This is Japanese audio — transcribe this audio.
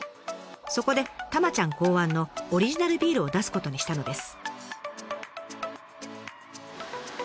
そこでたまちゃん考案のオリジナルビールを出すことにしたのです。